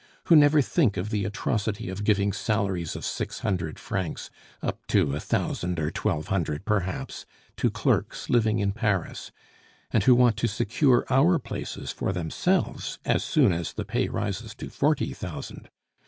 who never think of the atrocity of giving salaries of six hundred francs, up to a thousand or twelve hundred perhaps, to clerks living in Paris; and who want to secure our places for themselves as soon as the pay rises to forty thousand?